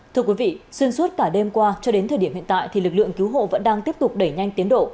thưa quý vị xuyên suốt cả đêm qua cho đến thời điểm hiện tại thì lực lượng cứu hộ vẫn đang tiếp tục đẩy nhanh tiến độ